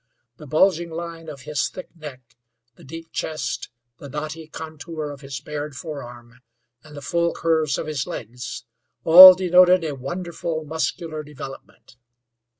The bulging line of his thick neck, the deep chest, the knotty contour of his bared forearm, and the full curves of his legs all denoted a wonderful muscular development.